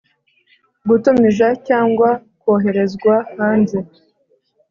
gutumiza cyangwa koherezwa hanze